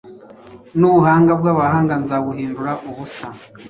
n’ubuhanga bw’abahanga nzabuhindura ubusa.’”